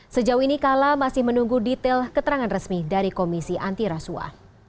sejauh ini kahlah masih menunggu detail keterangan resmi dari komisi antiraswa